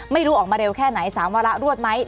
ไม่รู้ออกมาเร็วแค่ไหน๓วาระรวดไหม